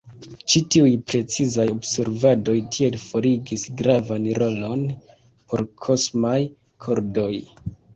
Ĉi-tiuj precizaj observadoj tiel forigis gravan rolon por kosmaj kordoj.